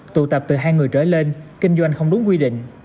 tụ tập từ hai người trở lên kinh doanh không đúng quy định